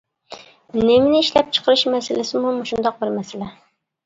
نېمىنى ئىشلەپچىقىرىش مەسىلىسىمۇ مۇشۇنداق بىر مەسىلە.